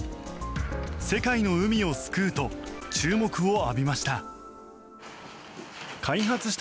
世界の海を救うと注目を浴びました。